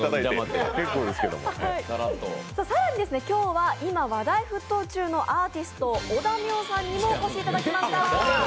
更に、今日は今話題沸騰中のアーティストのおだみょんさんにもお越しいただきました。